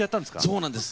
そうなんです。